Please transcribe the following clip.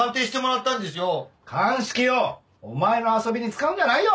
鑑識をお前の遊びに使うんじゃないよ！